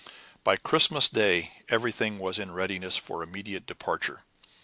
By Christmas Day everything was in readiness for immediate departure.